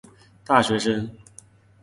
大学生